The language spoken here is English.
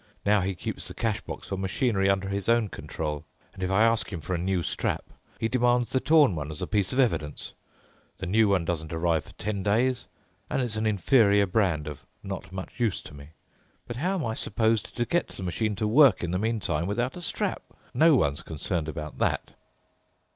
Now he keeps the cash box for machinery under his own control, and if I ask him for a new strap, he demands the torn one as a piece of evidence, the new one doesn't arrive for ten days, and it's an inferior brand, of not much use to me. But how I am supposed to get the machine to work in the meantime without a strap—no one's concerned about that."